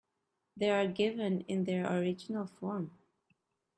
They are given in their original form.